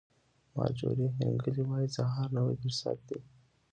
مارجوري هینکلي وایي سهار نوی فرصت دی.